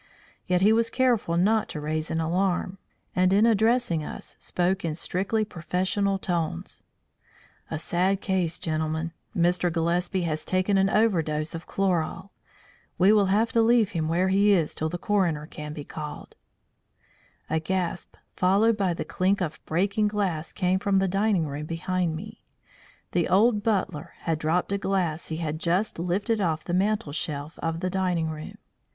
Yet he was careful not to raise an alarm, and in addressing us, spoke in strictly professional tones: "A sad case, gentlemen! Mr. Gillespie has taken an overdose of chloral. We will have to leave him where he is till the coroner can be called." A gasp followed by the clink of breaking glass came from the dining room behind me. The old butler had dropped a glass he had just lifted off the mantel shelf of the dining room.